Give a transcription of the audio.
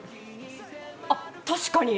あ、確かに！